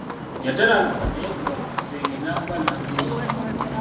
Yatalantuka ne yeekuba ku kisenge n'agwa n'azirika.